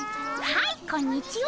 はいこんにちは。